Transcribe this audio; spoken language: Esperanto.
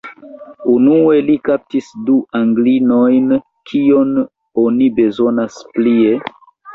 Unue, li kaptis du Anglinojn: kion oni bezonas plie?